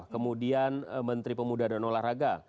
kemudian menteri pemuda dan olahraga